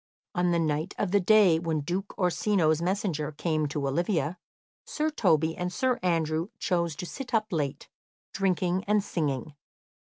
On the night of the day when Duke Orsino's messenger came to Olivia, Sir Toby and Sir Andrew chose to sit up late, drinking and singing.